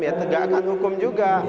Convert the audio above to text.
ya tegakkan hukum juga